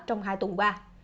trong hai tuần qua